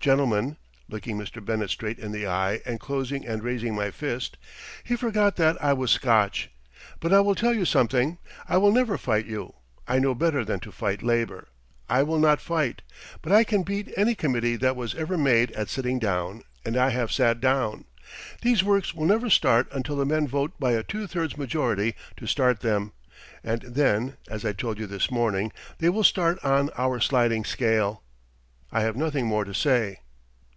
Gentlemen," looking Mr. Bennett straight in the eye and closing and raising my fist, "he forgot that I was Scotch. But I will tell you something; I will never fight you. I know better than to fight labor. I will not fight, but I can beat any committee that was ever made at sitting down, and I have sat down. These works will never start until the men vote by a two thirds majority to start them, and then, as I told you this morning, they will start on our sliding scale. I have nothing more to say."